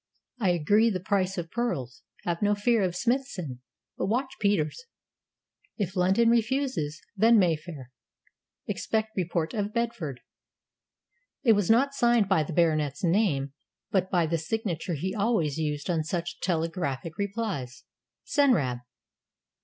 I agree the price of pearls. Have no fear of Smithson, but watch Peters. If London refuses, then Mayfair. Expect report of Bedford." It was not signed by the Baronet's name, but by the signature he always used on such telegraphic replies: "Senrab."